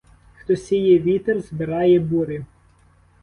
Хто сіє вітер — збирає бурю.